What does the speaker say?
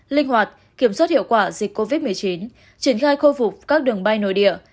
linh hoạt kiểm soát hiệu quả dịch covid một mươi chín triển khai khôi phục các đường bay nội địa